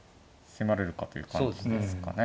迫れるかという感じですかね。